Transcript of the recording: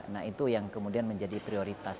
nah itu yang kemudian menjadi prioritas